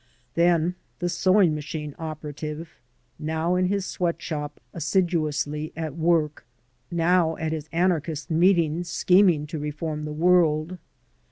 Then the sewing machine operative, now in his sweat shop assiduously at work, now at his anarchist meetings scheming to reform the world.